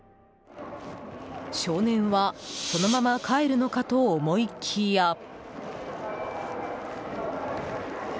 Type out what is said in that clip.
少年はそのまま帰るのかと思いきや。